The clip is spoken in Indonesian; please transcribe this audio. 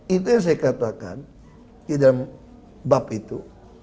itu yang saya katakan di dalam bab itu